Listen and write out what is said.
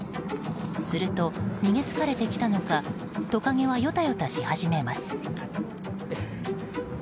すると、逃げ疲れてきたのかトカゲは、よたよたし始めます。